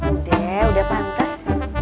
udah udah pantes